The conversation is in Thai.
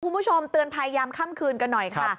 คุณผู้ชมเตือนภัยยามค่ำคืนกันหน่อยค่ะ